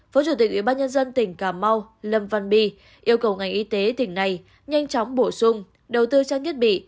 phó chủ tịch ủy ban nhân dân tỉnh cà mau lâm văn bi yêu cầu ngành y tế tỉnh này nhanh chóng bổ sung đầu tư trang nhất bị